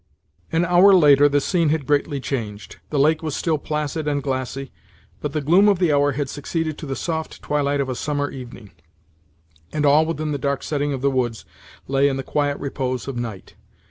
An hour later the scene had greatly changed. The lake was still placid and glassy, but the gloom of the hour had succeeded to the soft twilight of a summer evening, and all within the dark setting of the woods lay in the quiet repose of night.